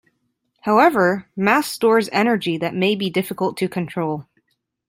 However, mass stores energy that may be difficult to control.